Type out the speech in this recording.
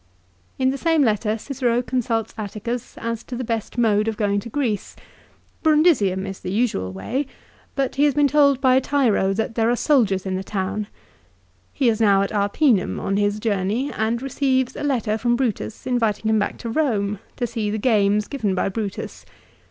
In the same letter Cicero consults Atticus as to the best mode of going to Greece. Brundisiuin is the usual way. but he has been told by Tiro that there are soldiers in the town. 1 He is now at Arpinum on his journey, and receives a letter from Brutus inviting him back to Eome, to see the games given by Brutus.